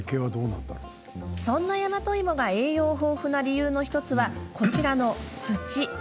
そんな大和いもが栄養豊富な理由の１つはこちらの土。